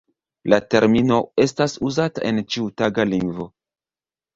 La termino estas uzata en ĉiutaga lingvo.